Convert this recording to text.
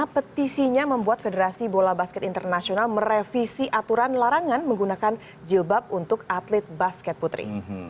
karena petisinya membuat federasi bola basket internasional merevisi aturan larangan menggunakan jilbab untuk atlet basket putri